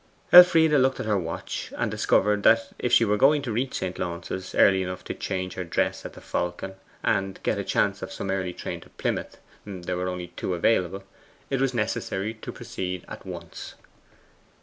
Elfride looked at her watch and discovered that if she were going to reach St. Launce's early enough to change her dress at the Falcon, and get a chance of some early train to Plymouth there were only two available it was necessary to proceed at once.